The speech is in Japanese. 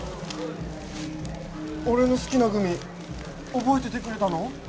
俺の好きなグミ覚えててくれたの？